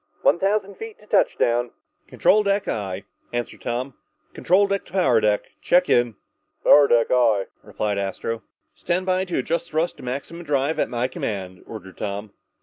"One thousand feet to touchdown!" "Control deck, aye," answered Tom. "Control deck to power deck. Check in." "Power deck, aye," replied Astro. "Stand by to adjust thrust to maximum drive at my command," ordered Tom.